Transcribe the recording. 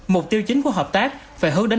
mục tiêu chính của hợp tác phải hướng đến